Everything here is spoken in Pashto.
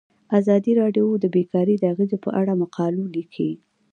ازادي راډیو د بیکاري د اغیزو په اړه مقالو لیکلي.